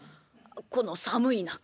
この寒い中。